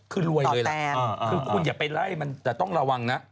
คือคุณอย่าไปไล่มันแต่ต้องระวังนะ